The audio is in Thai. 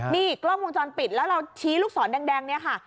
นี่กล้องวงจรปิดแล้วเราชี้ลูกศรแดงเนี่ยค่ะ